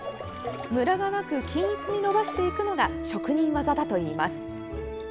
ムラがなく均一に伸ばしていくのが職人技だといいます。